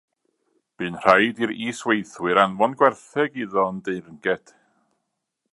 Bu'n rhaid i'r is-weithwyr anfon gwartheg iddo yn deyrnged.